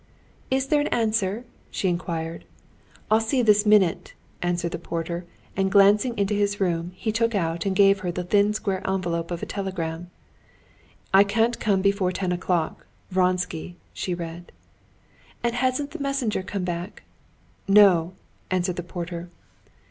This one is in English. "Is there an answer?" she inquired. "I'll see this minute," answered the porter, and glancing into his room, he took out and gave her the thin square envelope of a telegram. "I can't come before ten o'clock.—Vronsky," she read. "And hasn't the messenger come back?" "No," answered the porter.